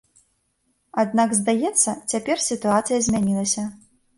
Аднак, здаецца, цяпер сітуацыя змянілася.